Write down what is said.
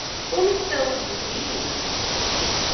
Como estão os vizinhos?